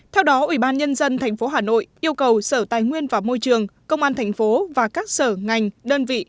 theo đó ubnd tp hà nội yêu cầu sở tài nguyên và môi trường công an thành phố và các sở ngành đơn vị